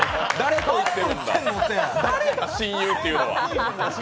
誰だ、親友っていうのは。